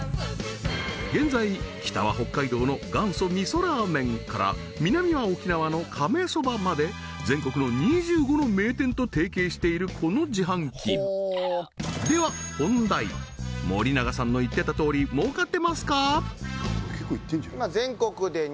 現在北は北海道の元祖味噌ラーメンから南は沖縄の亀そばまでしているこの自販機では本題森永さんの言ってたとおり儲かってますか？